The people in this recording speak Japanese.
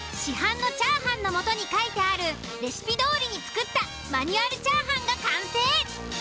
市販のチャーハンの素に書いてあるレシピどおりに作ったマニュアルチャーハンが完成。